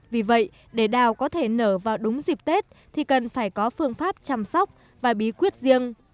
vì vậy để đào có thể nở vào đúng dịp tết thì cần phải có phương pháp chăm sóc và bí quyết riêng